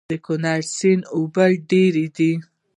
د کونړ سيند اوبه ډېرې دي